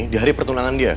di hari pertunangan dia